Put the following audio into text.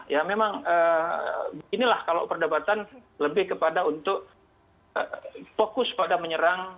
ya memang inilah kalau perdebatan lebih kepada untuk fokus pada menyerang